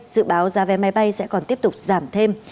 dự báo giá vé máy bay sẽ còn tiếp tục giảm thêm